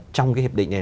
trong cái hiệp định này